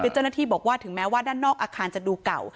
คือเจ้าหน้าที่บอกว่าถึงแม้ว่าด้านนอกอาคารจะดูเก่า